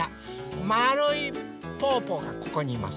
まるいぽぅぽがここにいます。